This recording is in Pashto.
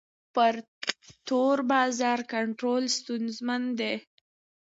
پر تور بازار کنټرول ستونزمن دی.